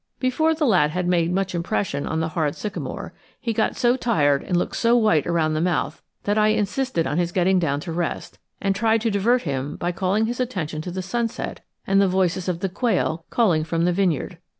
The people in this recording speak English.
Before the lad had made much impression on the hard sycamore, he got so tired and looked so white around the mouth that I insisted on his getting down to rest, and tried to divert him by calling his attention to the sunset and the voices of the quail calling from the vineyard.